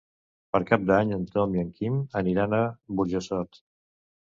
Per Cap d'Any en Tom i en Quim aniran a Burjassot.